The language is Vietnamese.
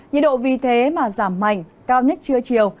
nhiệt độ vì thế mà giảm mạnh cao nhất trưa chiều